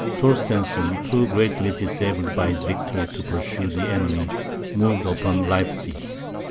Torstensohn, too greatly disabled by his victory to pursue the enemy, moved upon Leipzig.